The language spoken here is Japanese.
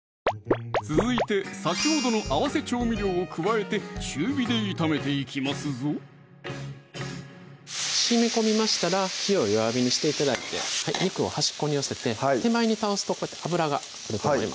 続いて先ほどの合わせ調味料を加えて中火で炒めていきますぞしみこみましたら火を弱火にして頂いて肉を端っこに寄せて手前に倒すとこうやって油が来ると思います